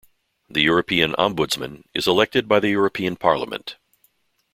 The European Ombudsman is elected by the European Parliament.